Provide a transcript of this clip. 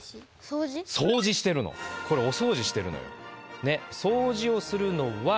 掃除してるのこれお掃除してるのよ。